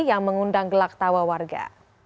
yang mengundang gelak tawa warga